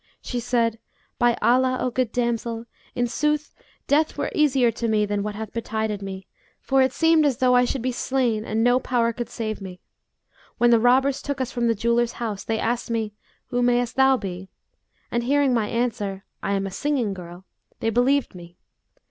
She said, 'By Allah, O good damsel, in sooth death were easier to me than what hath betided me; for it seemed as though I should be slain and no power could save me. When the robbers took us from the jeweller's house they asked me, Who mayest thou be? and hearing my answer, 'I am a singing girl, they believed me.